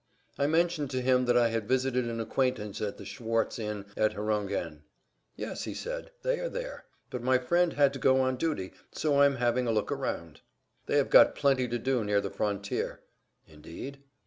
I mentioned to him that I had visited an acquaintance in the Schwarz Inn at Herongen. "Yes," he said; "they are there." "But my friend had to go on duty, so I am having a look round." "They have got plenty to do near the frontier." "Indeed?"